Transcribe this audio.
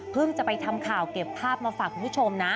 พึ่งจะไปทำข่าวเก็บภาพมาให้คุณผู้ชม